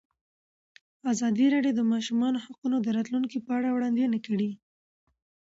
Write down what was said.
ازادي راډیو د د ماشومانو حقونه د راتلونکې په اړه وړاندوینې کړې.